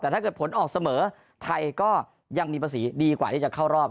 แต่ถ้าเกิดผลออกเสมอไทยก็ยังมีภาษีดีกว่าที่จะเข้ารอบ